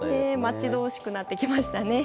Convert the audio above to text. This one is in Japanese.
待ち遠しくなってきましたね。